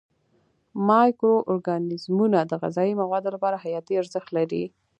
مایکرو ارګانیزمونه د غذایي موادو لپاره حیاتي ارزښت لري.